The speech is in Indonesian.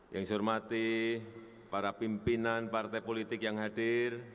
yang saya hormati para pimpinan partai politik yang hadir